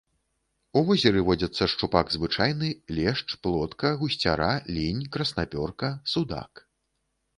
У возеры водзяцца шчупак звычайны, лешч, плотка, гусцяра, лінь, краснапёрка, судак.